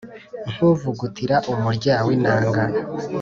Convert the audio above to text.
nk’ uvugutira umurya w’ inanga